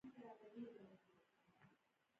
د افغانستان طبیعت له پکتیکا څخه جوړ شوی دی.